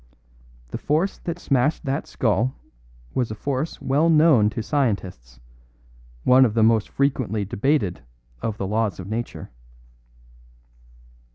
The force that smashed that skull was a force well known to scientists one of the most frequently debated of the laws of nature."